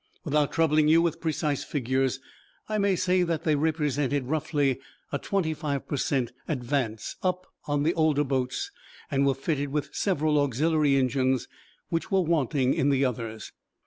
Without troubling you with precise figures, I may say that they represented roughly a twenty five per cent. advance up on the older boats, and were fitted with several auxiliary engines which were wanting in the others.